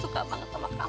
aku cinta banget sama kamu